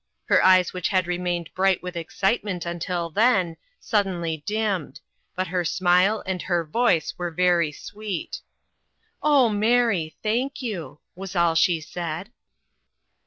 Her eyes which had remained bright with excitement until then, suddenly dimmed ; but her smile and her voice were very sweet. " Oh, Mary ! thank you !" was all she said.